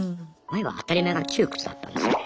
前は当たり前が窮屈だったんですよね。